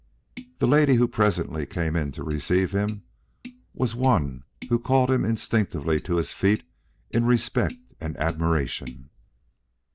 The lady who presently came in to receive him was one who called him instinctively to his feet in respect and admiration.